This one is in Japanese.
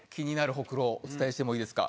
ホクロお伝えしてもいいですか。